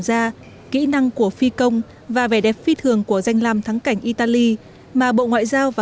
gia kỹ năng của phi công và vẻ đẹp phi thường của danh làm thắng cảnh italy mà bộ ngoại giao và